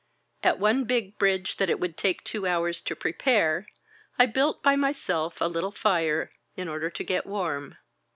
At one big bridge that it would take two hours to prepare, I built by myself a little fire in order to get warm.